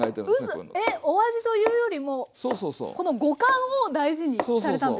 うそ⁉えっお味というよりもこの語感を大事にされたんですか？